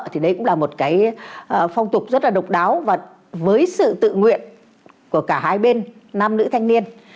thì đấy cũng là một cái phong tục rất là độc đáo và với sự tự nguyện của cả hai bên nam nữ thanh niên